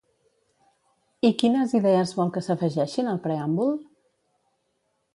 I quines idees vol que s'afegeixin al preàmbul?